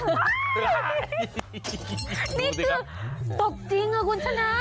นี่คือตกจริงหรือครับคุณทีครับ